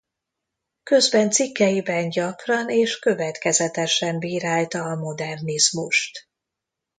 Közben cikkeiben gyakran és következetesen bírálta a modernizmust.